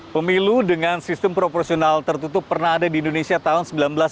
pemilu dengan sistem proporsional tertutup pernah ada di indonesia tahun seribu sembilan ratus sembilan puluh